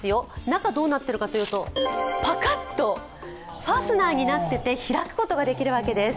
中がどうなっているかというと、パカッとファスナーになってて開くことができるわけです。